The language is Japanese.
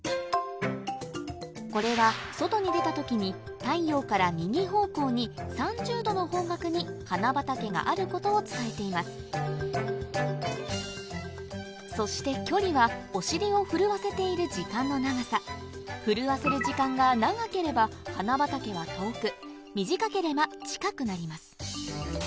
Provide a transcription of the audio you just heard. これは外に出た時に太陽から右方向に３０度の方角に花畑があることを伝えていますそして震わせる時間が長ければ花畑は遠く短ければ近くなります